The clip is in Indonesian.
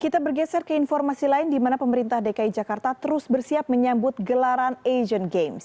kita bergeser ke informasi lain di mana pemerintah dki jakarta terus bersiap menyambut gelaran asian games